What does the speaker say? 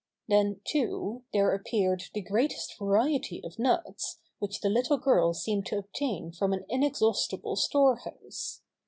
Then, too, there appeared the greatest va riety of nuts, which the little girl seemed to obtain from an inexhaustible storehouse.